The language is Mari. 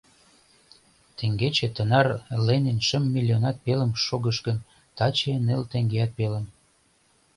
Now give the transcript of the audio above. Теҥгече тынар Ленин шым миллионат пелым шогыш гын, таче — ныл теҥгеат пелым...